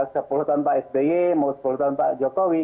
sepuluh tahun pak sby mau sepuluh tahun pak jokowi